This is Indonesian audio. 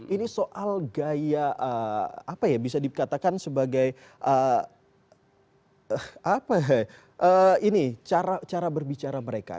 ini soal gaya apa ya bisa dikatakan sebagai cara berbicara mereka